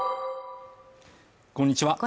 こんにちは